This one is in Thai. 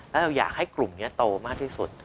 แล้วเราอยากให้กลุ่มนี้โตมากที่สุด